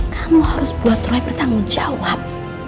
kamu harus buat roy bertanggung jawab